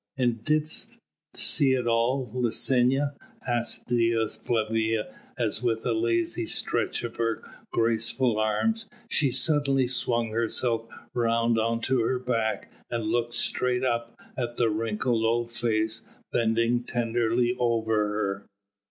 "And didst see it all, Licinia?" asked Dea Flavia, as with a lazy stretch of her graceful arms she suddenly swung herself round on to her back and looked straight up at the wrinkled old face bending tenderly over her.